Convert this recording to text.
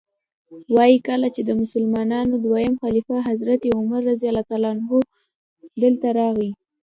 وایي کله چې د مسلمانانو دویم خلیفه حضرت عمر رضی الله عنه دلته راغی.